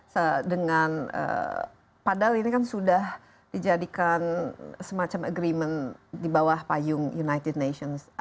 se dengan padahal ini kan sudah dijadikan semacam agreement di bawah payung united nations